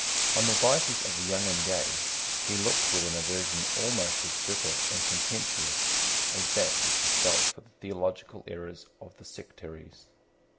On the vices of the young and gay he looked with an aversion almost as bitter and contemptuous as that which he felt for the theological errors of the sectaries.